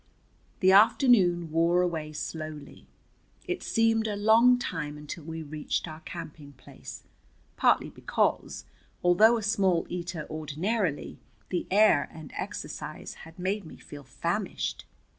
The afternoon wore away slowly. It seemed a long time until we reached our camping place, partly because, although a small eater ordinarily, the air and exercise had made me feel famished.